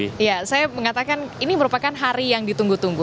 iya saya mengatakan ini merupakan hari yang ditunggu tunggu